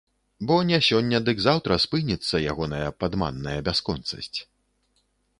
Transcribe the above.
Бо не сёння дык заўтра спыніцца ягоная падманная бясконцасць.